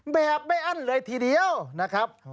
แบบไม่อั้นเลยทีเดียวนะครับ